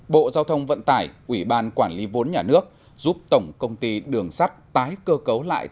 bộ giao thông vận tải ủy ban quản lý vốn nhà nước giúp tổng công ty đường sắt tái cơ cấu lại